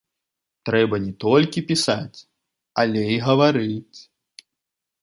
Трэба не толькі пісаць, але і гаварыць.